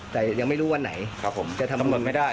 แต่ยังไม่รู้วันไหนจะทำบุญครับผมทำบุญไม่ได้